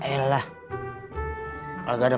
ya udah saya masuk pagi ya